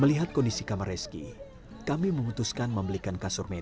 melihat kondisi kamar reski kami memutuskan membelikan kasur medis